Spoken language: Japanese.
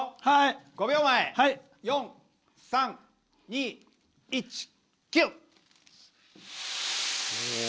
５秒前、４、３、２、１キュー！